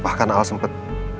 bahkan al sempet